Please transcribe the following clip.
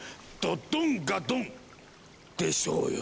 ドドンガドン！でしょうよ。